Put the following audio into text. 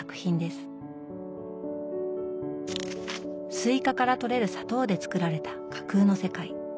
スイカからとれる砂糖でつくられた架空の世界。